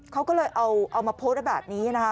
เขาก็เลยเอามาโพสต์ไว้แบบนี้นะคะ